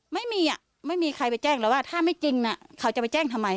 ไม่มีอ่ะไม่มีใครไปแจ้งแล้วว่าถ้าไม่จริงเขาจะไปแจ้งทำไม